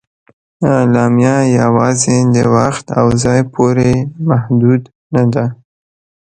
اعلامیه یواځې د وخت او ځای پورې محدود نه ده.